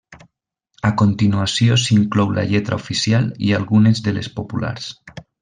A continuació s'inclou la lletra oficial i algunes de les populars.